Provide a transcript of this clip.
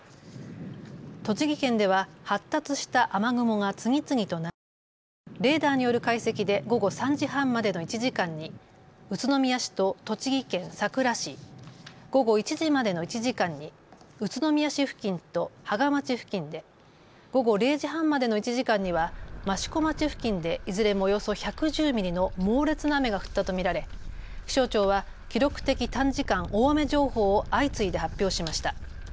栃木県では発達した雨雲が次々と流れ込み、レーダーによる解析で午後３時半までの１時間に宇都宮市と栃木県さくら市、午後１時までの１時間に宇都宮市付近と芳賀町付近で、午後０時半までの１時間には益子町付近でいずれもおよそ１１０ミリの猛烈な雨が降ったと見られ、気象庁は記録的短時間大雨情報を相次いで発表しました。